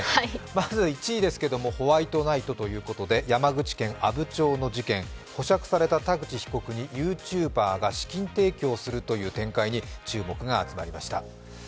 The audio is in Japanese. まず１位ですけどホワイトナイトということで山口県阿武町の事件保釈された田口被告にＹｏｕＴｕｂｅｒが資金提供するという展開に注目が集まりました。